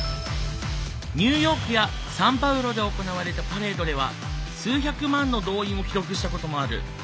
ニューヨークやサンパウロで行われたパレードでは数百万の動員を記録したこともある。